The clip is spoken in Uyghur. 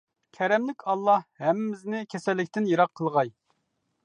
كەرەملىك ئاللا ھەممىمىزنى كېسەللىكتىن يىراق قىلغاي.